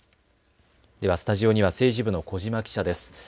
ではスタジオには政治部の小嶋記者です。